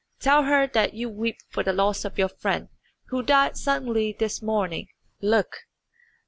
Tell her that you weep for the loss of your friend, who died suddenly this morning. Look!